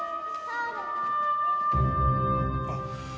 あっ。